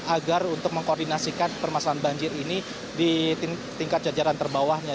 agar untuk mengkoordinasikan permasalahan banjir ini di tingkat jajaran terbawahnya